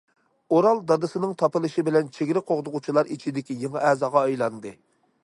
ئورال دادىسىنىڭ تاپىلىشى بىلەن چېگرا قوغدىغۇچىلار ئىچىدىكى يېڭى ئەزاغا ئايلاندى.